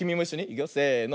いくよせの。